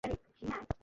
ওরকমই ভেবে নিন।